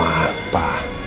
aku mau berbicara sama elsa